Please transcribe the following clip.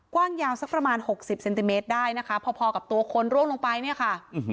กว้างยาวสักประมาณหกสิบเซนติเมตรได้นะคะพอพอกับตัวคนร่วงลงไปเนี่ยค่ะ